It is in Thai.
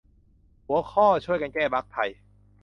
หัวข้อ ช่วยกันแก้บั๊กไทย